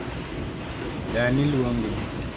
Dani luongi